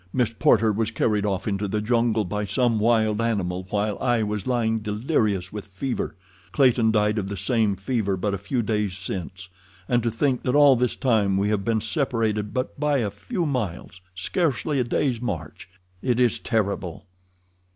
Miss Porter was carried off into the jungle by some wild animal while I was lying delirious with fever. Clayton died of the same fever but a few days since. And to think that all this time we have been separated by but a few miles—scarcely a day's march. It is terrible!"